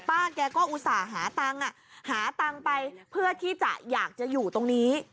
แกก็อุตส่าห์หาตังค์หาตังค์ไปเพื่อที่จะอยากจะอยู่ตรงนี้